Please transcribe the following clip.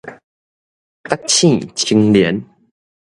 覺醒青年